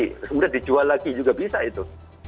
kemudian dijual lagi juga bisa itu